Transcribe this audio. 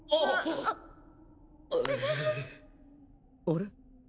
あれ？